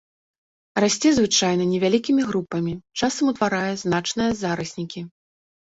Расце звычайна невялікімі групамі, часам утварае значныя зараснікі.